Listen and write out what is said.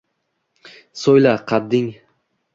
So’yla, qadding